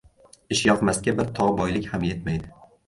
• Ishyoqmasga bir tog‘ boylik ham yetmaydi.